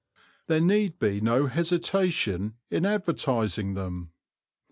There need be no hesitation in advertising them.